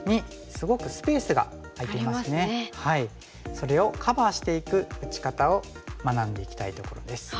それをカバーしていく打ち方を学んでいきたいところです。